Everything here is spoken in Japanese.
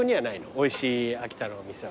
おいしい秋田のお店は。